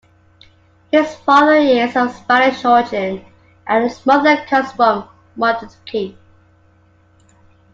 His father is of Spanish origin and his mother comes from Martinique.